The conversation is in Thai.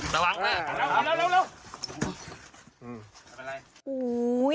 ระวังแม่เร็ว